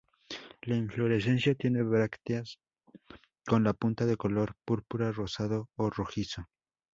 La inflorescencia tiene brácteas con la punta de color púrpura rosado o rojizo.